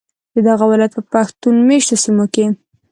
ددغه ولایت په پښتون میشتو سیمو کې